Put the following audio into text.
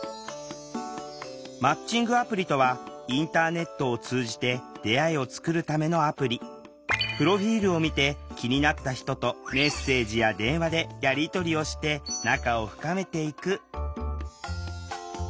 マッチングアプリとはインターネットを通じてプロフィールを見て気になった人とメッセージや電話でやり取りをして仲を深めていく。